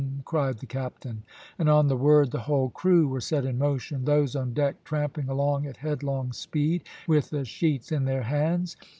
cried the captain, and on the word the whole crew were set in motion, those on deck tramping along at headlong speed with the sheets in their hands.